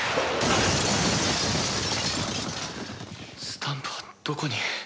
スタンプはどこに？